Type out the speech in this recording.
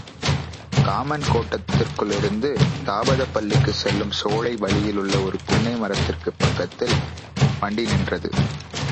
Common கோட்டத்திற்குள் இருந்து தாபதப் பள்ளிக்குச் செல்லும் சோலை வழியிலுள்ள ஒரு புன்னை மரத்திற்குப் பக்கத்தில் வண்டி நின்றது.